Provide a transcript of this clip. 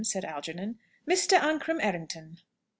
said Algernon. "Mr. Ancram Errington."